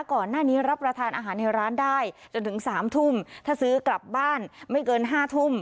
ก่อนหน้านี้รับประทานอาหารในร้านได้จนถึงสามทุ่มถ้าซื้อกลับบ้านไม่เกิน๕ทุ่ม